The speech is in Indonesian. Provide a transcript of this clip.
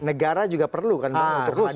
negara juga perlu kan untuk hadir disana